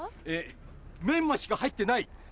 「メンマしか入ってない」。